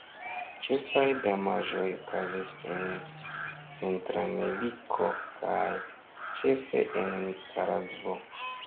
Ĉefaj damaĝoj okazis en Centrameriko kaj ĉefe en Nikaragvo.